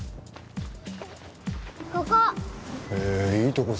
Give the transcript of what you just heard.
ここ！